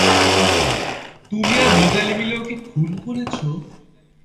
তুমি আর রোজ্যালি মিলে ওকে খুন করেছ?